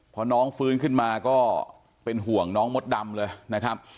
พอน้องฟื้นขึ้นมาก็เป็นห่วงน้องมดดำเลยนะครับ